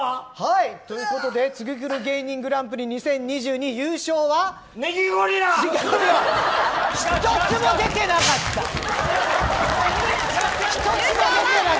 ということで、ツギクル芸人グランプリ２０２２優勝は違うわ。